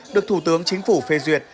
được thủ tướng chính phủ phê duyệt